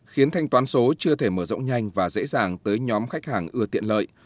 khiến thanh toán số chưa thể mở rộng nhanh và dễ dàng tới nhóm khách hàng ưa tiện lợi